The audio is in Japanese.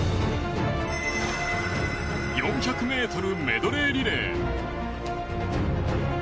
４００ｍメドレーリレー。